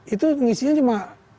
itu mengisinya cuma